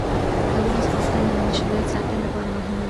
د ولس غوښتنې د مشروعیت ساتنې لپاره مهمې دي